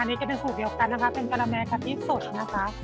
อันนี้ก็เป็นสูตรเดียวกันนะคะเป็นกะละแม่กะปิสดนะคะ